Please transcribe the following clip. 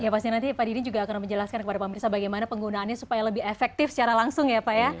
ya pasti nanti pak didi juga akan menjelaskan kepada pemerintah bagaimana penggunaannya supaya lebih efektif secara langsung ya pak ya